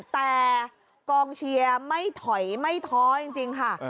แต่กองเชียร์ไม่ถอยไม่ท้อจริงค่ะ